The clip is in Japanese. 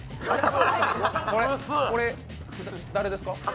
誰ですか？